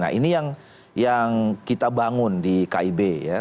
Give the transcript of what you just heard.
nah ini yang kita bangun di kib ya